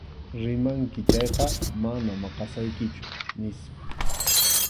Rimanki chayqa mana maqasaykichu, nispa.